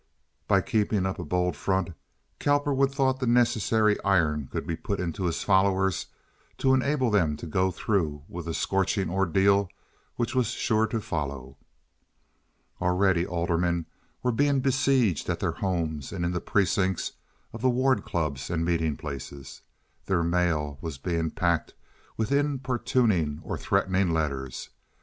By keeping up a bold front Cowperwood thought the necessary iron could be put into his followers to enable them to go through with the scorching ordeal which was sure to follow. Already aldermen were being besieged at their homes and in the precincts of the ward clubs and meeting places. Their mail was being packed with importuning or threatening letters.